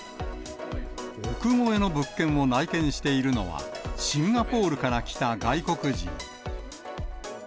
億超えの物件を内見しているのは、シンガポールから来た外国人。